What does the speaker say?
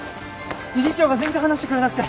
理事長が全然離してくれなくて。